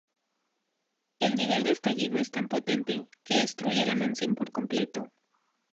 El nivel de estallido es tan potente, que destruye la mansión por completo.